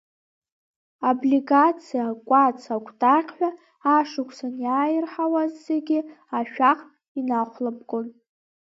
Аблигациа, акәац, акәтаӷь ҳәа, ашықәсан иааирҳауаз зегьы ашәахтә инахәлабгон.